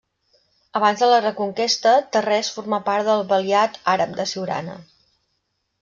Abans de la reconquesta, Tarrés formà part del valiat àrab de Siurana.